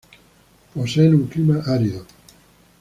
Poseen un clima árido.